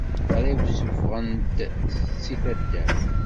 Qrib ssufɣen-t seg taddart.